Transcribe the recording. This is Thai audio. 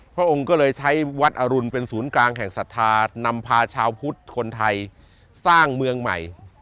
พระองค์ก็เลยใช้วัดอรุณเป็นศูนย์กลางแห่งศรัทธานำพาชาวพุทธคนไทยสร้างเมืองใหม่